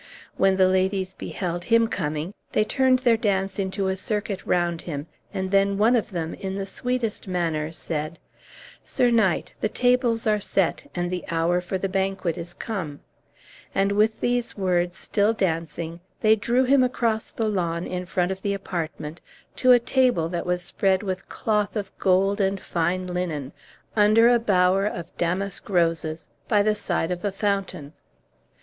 When the ladies beheld him coming they turned the dance into a circuit round him, and then one of them, in the sweetest manner, said, "Sir knight, the tables are set, and the hour for the banquet is come;" and, with these words, still dancing, they drew him across the lawn in front of the apartment, to a table that was spread with cloth of gold and fine linen, under a bower of damask roses by the side of a fountain.